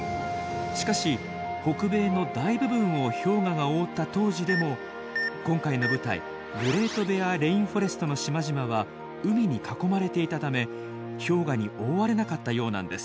しかし北米の大部分を氷河が覆った当時でも今回の舞台グレートベアレインフォレストの島々は海に囲まれていたため氷河に覆われなかったようなんです。